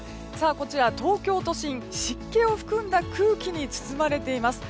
こちら、東京都心湿気を含んだ空気に包まれています。